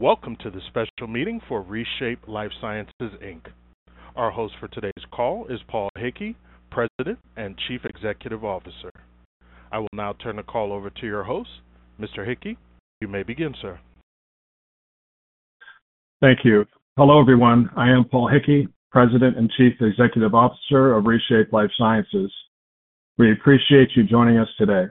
Welcome to this special meeting for ReShape Lifesciences Inc. Our host for today's call is Paul Hickey, President and Chief Executive Officer. I will now turn the call over to your host, Mr. Hickey. You may begin, sir. Thank you. Hello, everyone. I am Paul Hickey, President and Chief Executive Officer of ReShape Lifesciences. We appreciate you joining us today.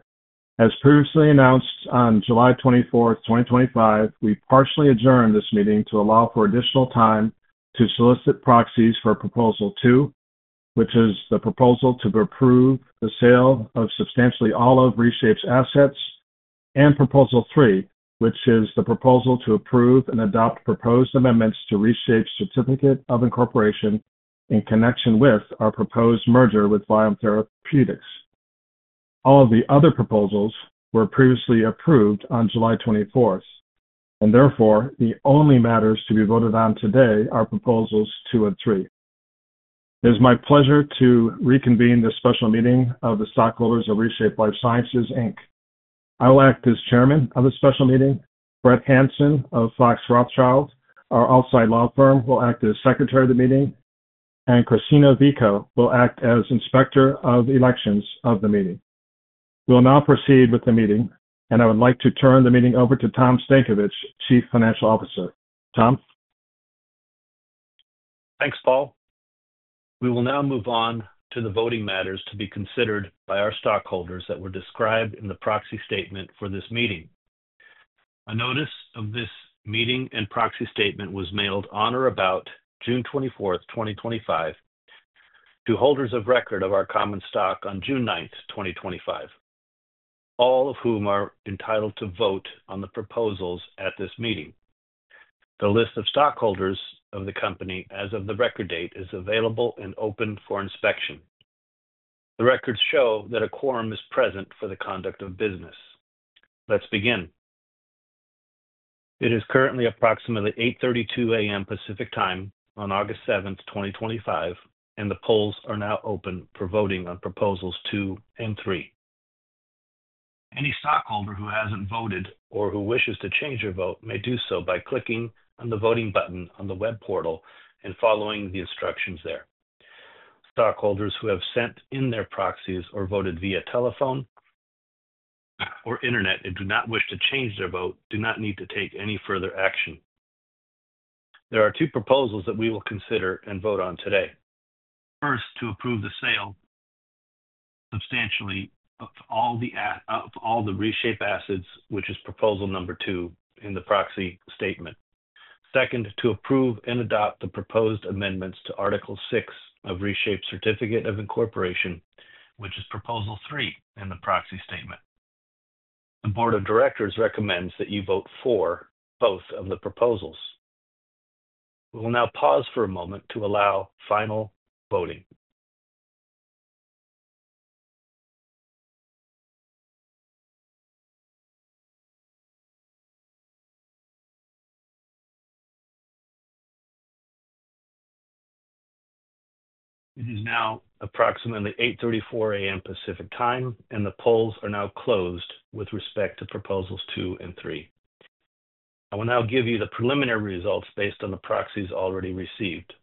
As previously announced on July 24, 2025, we partially adjourned this meeting to allow for additional time to solicit proxies for Proposal 2, which is the proposal to approve the sale of substantially all of ReShape's assets, and Proposal 3, which is the proposal to approve and adopt proposed amendments to ReShape's Certificate of Incorporation in connection with our proposed merger with Vyome Therapeutics. All of the other proposals were previously approved on July 24, and therefore the only matters to be voted on today are Proposals 2 and 3. It is my pleasure to reconvene this special meeting of the stockholders of ReShape Lifesciences Inc. I will act as Chairman of the special meeting, Brett Hansen of Fox Rothschild, our outside law firm, will act as Secretary of the meeting, and Christine Ren-Fielding will act as Inspector of Elections of the meeting. We will now proceed with the meeting, and I would like to turn the meeting over to Tom Stankovich, Chief Financial Officer. Tom? Thanks, Paul. We will now move on to the voting matters to be considered by our stockholders that were described in the proxy statement for this meeting. A notice of this meeting and proxy statement was mailed on or about June 24, 2025, to holders of record of our common stock on June 9, 2025, all of whom are entitled to vote on the proposals at this meeting. The list of stockholders of the company as of the record date is available and open for inspection. The records show that a quorum is present for the conduct of business. Let's begin. It is currently approximately 8:32 A.M. Pacific Time on August 7, 2025, and the polls are now open for voting on Proposals 2 and 3. Any stockholder who hasn't voted or who wishes to change your vote may do so by clicking on the voting button on the web portal and following the instructions there. Stockholders who have sent in their proxies or voted via telephone or internet and do not wish to change their vote do not need to take any further action. There are two proposals that we will consider and vote on today. First, to approve the sale substantially of all the ReShape assets, which is Proposal number 2 in the proxy statement. Second, to approve and adopt the proposed amendments to Article 6 of ReShape's Certificate of Incorporation, which is Proposal 3 in the proxy statement. The Board of Directors recommends that you vote for both of the proposals. We will now pause for a moment to allow final voting. It is now approximately 8:34 A.M. Pacific Time, and the polls are now closed with respect to Proposals 2 and 3. I will now give you the preliminary results based on the proxies already received.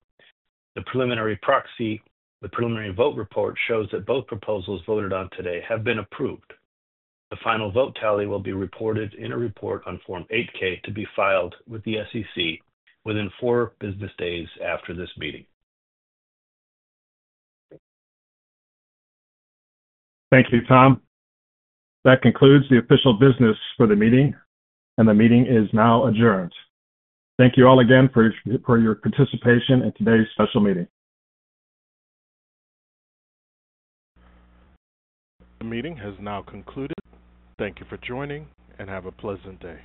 The preliminary proxy, the preliminary vote report, shows that both proposals voted on today have been approved. The final vote tally will be reported in a report on Form 8-K to be filed with the SEC within four business days after this meeting. Thank you, Tom. That concludes the official business for the meeting, and the meeting is now adjourned. Thank you all again for your participation in today's special meeting. The meeting has now concluded. Thank you for joining, and have a pleasant day.